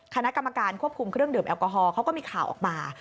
คณะกรรมการควบคุมเครื่องดื่มแอลกอฮอลเขาก็มีข่าวออกมา